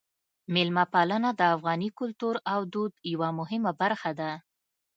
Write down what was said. میلمه پالنه د افغاني کلتور او دود یوه مهمه برخه ده.